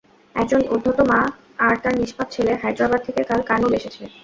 একজন উদ্ধত মা আর তার নিষ্পাপ ছেলে হাইদ্রাবাদ থেকে কাল কারনুল এসেছে।